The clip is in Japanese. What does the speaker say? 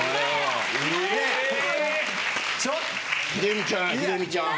秀美ちゃんや秀美ちゃん。